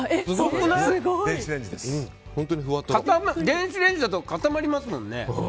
電子レンジだと固まりますもんね。